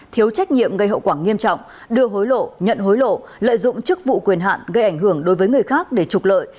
thiếu trách nhiệm gây hậu quả nghiêm trọng đưa hối lộ nhận hối lộ lợi dụng chức vụ quyền hạn gây ảnh hưởng đối với người khác để trục lợi